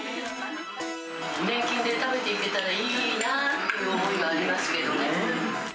年金で食べていけたらいいなって思いはありますけどね。